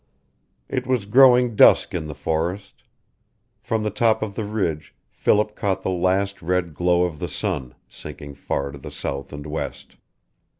It was growing dusk in the forest. From the top of the ridge Philip caught the last red glow of the sun, sinking far to the south and west.